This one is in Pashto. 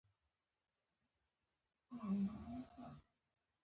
د افغانستان د اقتصادي پرمختګ لپاره پکار ده چې کاغذ تولید شي.